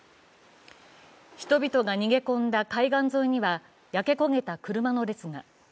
人々が逃げ込んだ海岸線には焼け焦げた車の列が。